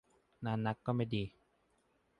นานนักก็ไม่ดี